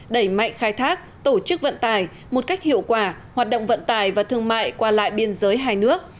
đẩy mạnh khai thác tổ chức vận tải một cách hiệu quả hoạt động vận tải và thương mại qua lại biên giới hai nước